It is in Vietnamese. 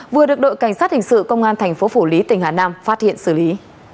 vừa được đội cảnh sát hình sự công an tp cn phát hiện xử lý